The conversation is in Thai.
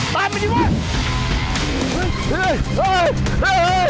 ตามไปดีกว่า